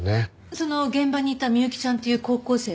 その現場にいた美幸ちゃんっていう高校生は？